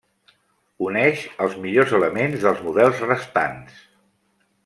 Uneix els millors elements dels models restants.